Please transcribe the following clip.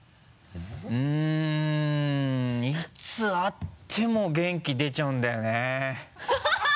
「んいつ会っても元気出ちゃうんだよね」